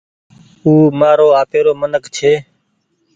او مآرو آپيري منک ڇي